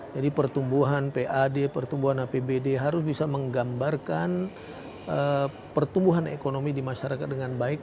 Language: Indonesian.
jadi pertumbuhan pad pertumbuhan apbd harus bisa menggambarkan pertumbuhan ekonomi di masyarakat dengan baik